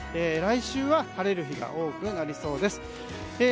来週は晴れる日が多くなりそうです。